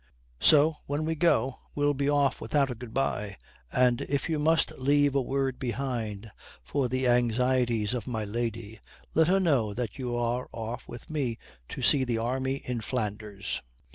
So when we go, we'll be off without a good bye, and if you must leave a word behind for the anxieties of my lady, let her know that you are off with me to see the army in Flanders."